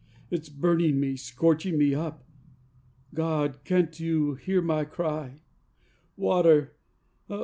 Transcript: It's burning me, scorching me up. God, can't You hear my cry? 'Water!